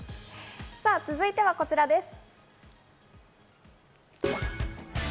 続いてはこちらです。